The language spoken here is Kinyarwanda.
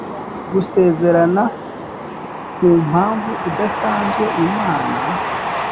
gusezerana Ku mpamvu idasanzwe Inama